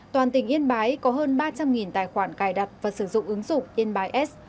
toàn tỉnh yên bái có hơn ba trăm linh tài khoản cài đặt và sử dụng ứng dụng yên bái s